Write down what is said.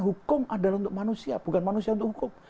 hukum adalah untuk manusia bukan manusia untuk hukum